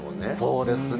そうですね。